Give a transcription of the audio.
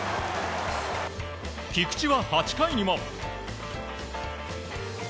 菊池は８回にも。